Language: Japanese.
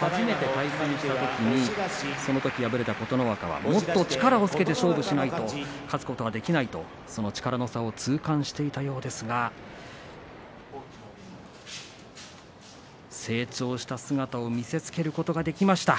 初めて対戦したときにそのとき敗れた琴ノ若はもっと力をつけて勝負しないと勝つことはできないとその力の差を痛感していたようですが成長した姿を見せつけることができました。